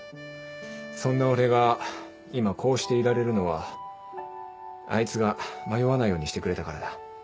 そんな俺が今こうしていられるのはあいつが迷わないようにしてくれたからだ。